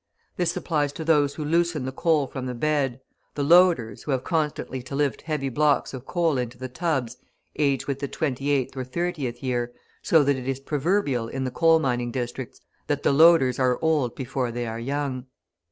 This applies to those who loosen the coal from the bed; the loaders, who have constantly to lift heavy blocks of coal into the tubs, age with the twenty eighth or thirtieth year, so that it is proverbial in the coal mining districts that the loaders are old before they are young.